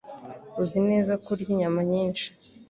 Uzi neza ko urya inyama nyinshi.